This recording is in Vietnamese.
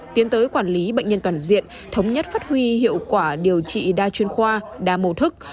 tiến tới quản lý bệnh nhân toàn diện thống nhất phát huy hiệu quả điều trị đa chuyên khoa đa màu thức